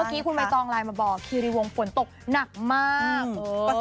เมื่อกี้คุณใบตองไลน์มาบอกคีรีวงฝนตกหนักมาก